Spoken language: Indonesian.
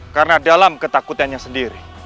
karena dalam ketakutannya sendiri